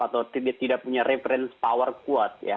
atau tidak punya reference power kuat